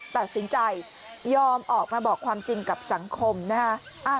ตัดสินใจยอมออกมาบอกความจริงกับสังคมนะฮะ